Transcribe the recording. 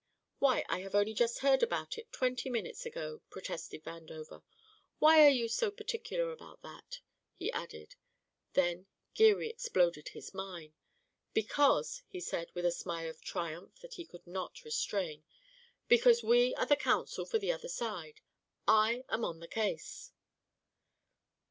"Why, I have only just heard about it twenty minutes ago," protested Vandover. "Why are you so particular about that?" he added. Then Geary exploded his mine. "Because," he said, with a smile of triumph that he could not restrain, "because we are the counsel for the other side. I am on the case."